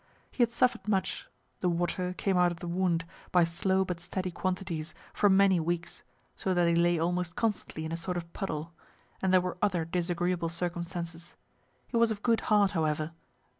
He had suffer'd much the water came out of the wound, by slow but steady quantities, for many weeks so that he lay almost constantly in a sort of puddle and there were other disagreeable circumstances. He was of good heart, however.